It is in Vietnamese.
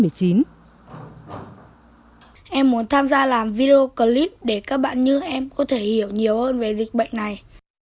em muốn tham gia làm video clip để các bạn như em có thể hiểu nhiều hơn về dịch bệnh này